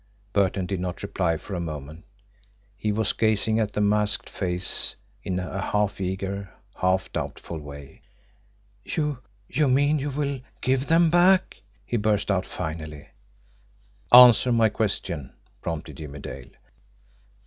Burton did not reply for a moment he was gazing at the masked face in a half eager, half doubtful way. "You you mean you will give them back!" he burst out finally. "Answer my question," prompted Jimmie Dale.